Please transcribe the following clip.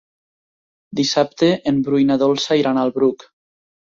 Dissabte en Bru i na Dolça iran al Bruc.